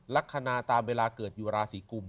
ลักษณะตามเวลาเกิดอยู่ราศีกุม